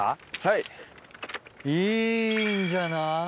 いいんじゃない？